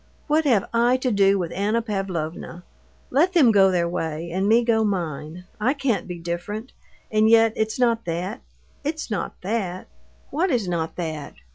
What have I to do with Anna Pavlovna? Let them go their way, and me go mine. I can't be different.... And yet it's not that, it's not that." "What is not that?"